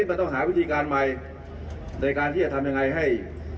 จับต้องอะไรไม่ได้สักอย่างไม่ได้